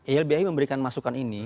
ilbi memberikan masukan ini